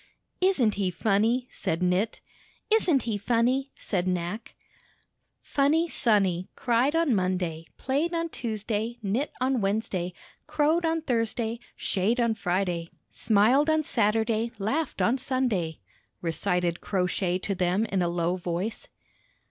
"Isn't he funny?" said Knit. "Isn't he funny?" said Knack. "fen't h<t fiurmy" Crow Shay Helps Knit 157 "Funny Sonny Cried on Monday, Played on Tuesday, Knit on Wednesday, Crowed on Thursday, Shayed on Friday, Smiled on Saturday, Laughed on Sunday," recited Crow Shay to them in a low voice.